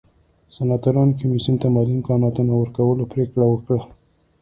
سناتورانو کمېسیون ته مالي امکاناتو نه ورکولو پرېکړه وکړه